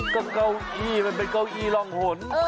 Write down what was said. ก้าวอี้มันต้องเป็นเก้าอี้ลองหน